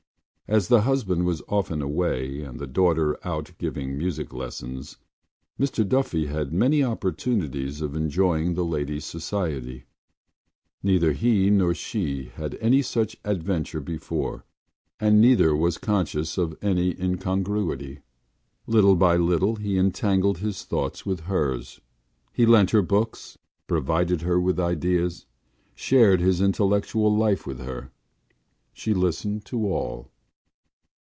As the husband was often away and the daughter out giving music lessons Mr Duffy had many opportunities of enjoying the lady’s society. Neither he nor she had had any such adventure before and neither was conscious of any incongruity. Little by little he entangled his thoughts with hers. He lent her books, provided her with ideas, shared his intellectual life with her. She listened to all.